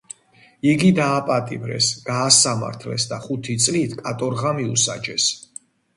იგი დააპატიმრეს, გაასამართლეს და ხუთი წლით კატორღა მიუსაჯეს.